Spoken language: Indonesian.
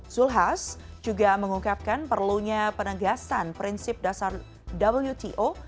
zulkifli hasan juga mengungkapkan perlunya penegasan prinsip dasar wto